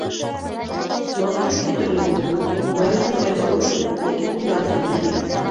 Яуаптың ике төрлө булыуы мөмкин: улар өсөн файҙалы түгел йәки ҡулдарынан килмәй.